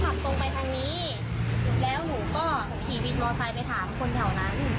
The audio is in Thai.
ขับตรงไปทางนี้แล้วหนูก็ขี่วินมอไซค์ไปถามคนแถวนั้น